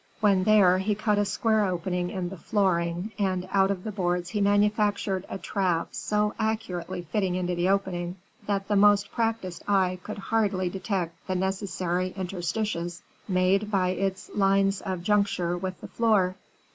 When there, he cut a square opening in the flooring, and out of the boards he manufactured a trap so accurately fitting into the opening that the most practised eye could hardly detect the necessary interstices made by its lines of juncture with the floor.